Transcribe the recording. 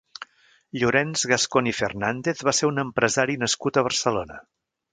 Llorenç Gascon i Fernández va ser un empresari nascut a Barcelona.